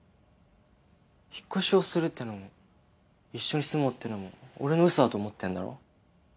引っ越しをするってのも一緒に住もうってのも俺の嘘だと思ってるんだろ？